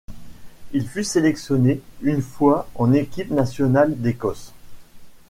Il fut sélectionné une fois en équipe nationale d'Écosse.